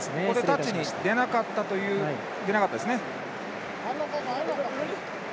タッチに出なかったですね。